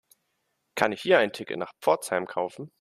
Kann ich hier ein Ticket nach Pforzheim kaufen?